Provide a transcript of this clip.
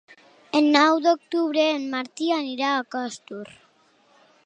El nou d'octubre en Martí anirà a Costur.